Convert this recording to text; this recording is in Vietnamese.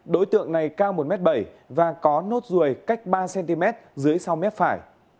đối tượng này cao một m bảy và có nốt ruồi cách ba cm dưới sau mép phải